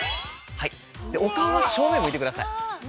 お顔は正面を向いてください。